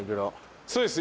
そうです